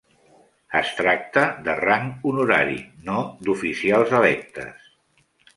Es tracta de rang honorari, no d'oficials electes.